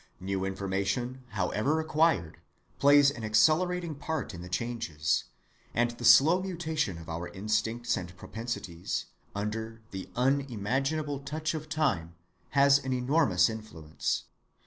New information, however acquired, plays an accelerating part in the changes; and the slow mutation of our instincts and propensities, under the "unimaginable touch of time" has an enormous influence.